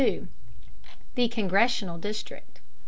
THE CONGRESSIONAL DISTRICT.